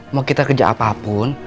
mau kita kerja apapun